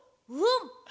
うん！